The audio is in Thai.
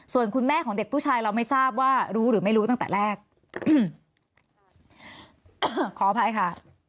ส่วนคุณแม่ของเด็กผู้ชายเราไม่ทราบว่ารู้หรือไม่รู้ตั้งแต่แรกอืมอ่าขออภัยค่ะ